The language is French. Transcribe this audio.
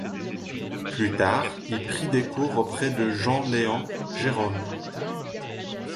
Plus tard, il prit des cours auprès de Jean-Léon Gérôme.